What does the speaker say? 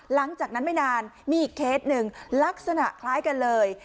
หลังจากนั้นไม่นานมีอีกเคสหนึ่งลักษณะคล้ายกันเลย